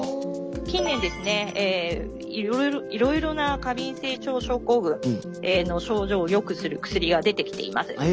近年ですねいろいろな過敏性腸症候群の症状をよくする薬が出てきています。